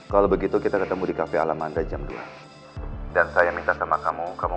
kalau begitu kita ketemu di kafe alam anda jam dua dan saya minta sama kamu